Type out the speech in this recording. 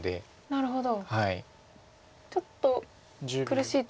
なるほど。